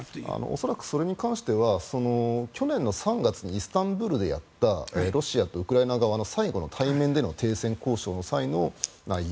恐らくそれに関しては去年の３月にイスタンブールでやったロシアとウクライナ側の最後の対面での停戦交渉の際の内容